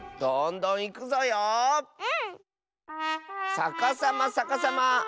さかさまさかさま。